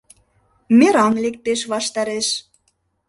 Мераҥ лектеш ваштареш;